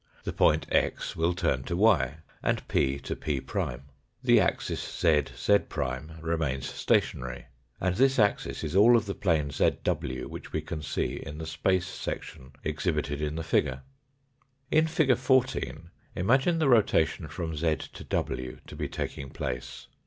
The point x will turn to y , and p to p'. The axis zz remains stationary, and this axis is all of the plane zw which we can see in the space section exhibited in the figure. In fig. 14, imagine the rotation from z to w to be taking place.